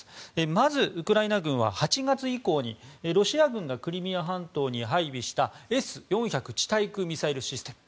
まず、ウクライナ軍は８月以降にロシア軍がクリミア半島に配備したＳ４００地対空ミサイルシステム